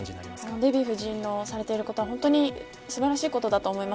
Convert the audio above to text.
デヴィ夫人のされてることは本当に素晴らしいことだと思います。